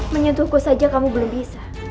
menyentuhku saja kamu belum bisa